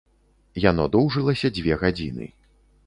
Яно доўжылася дзве гадзіны.